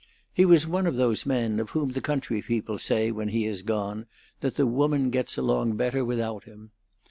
He was one of those men of whom the country people say when he is gone that the woman gets along better without him.